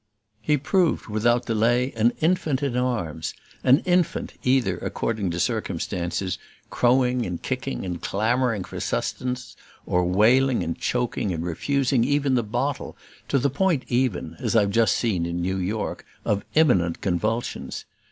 He proved, without delay, an infant in arms; an infant, either, according to circumstances, crowing and kicking and clamoring for sustenance, or wailing and choking and refusing even the bottle, to the point even, as I've just seen in New York, of imminent convulsions.